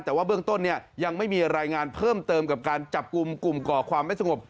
แต่ว่าเบื้องต้นเนี่ยยังไม่มีรายงานเพิ่มเติมกับการจับกลุ่มกลุ่มก่อความไม่สงบ